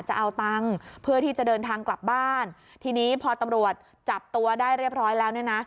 จะเอาตังค์เพื่อที่จะเดินทางกลับบ้านทีนี้พอตำรวจจับตัวได้เรียบร้อยแล้วเนี่ยนะ